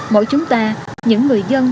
mỗi chúng ta những người dân